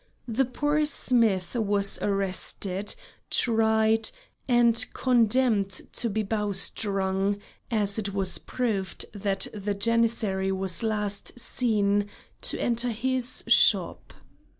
The poor smith was arrested, tried, and condemned to be bowstrung, as it was proved that the Janissary was last seen to enter his shop.